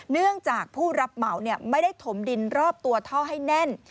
เนื่องจากผู้รับเหมาไม่ได้ถมดินรอบตัวท่อให้แน่น